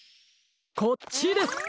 こっちです！